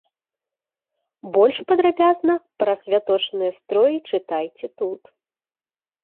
Больш падрабязна пра святочныя строі чытайце тут.